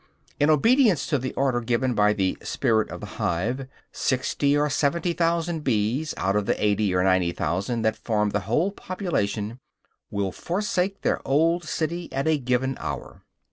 In obedience to the order given by the "spirit of the hive," sixty or seventy thousand bees out of the eighty or ninety thousand that form the whole population, will forsake their old city at a given hour.